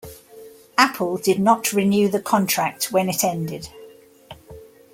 Apple did not renew the contract when it ended.